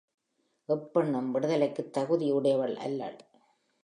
எப்பெண்ணும் விடுதலைக்குத் தகுதி உடையவள் அல்லள்.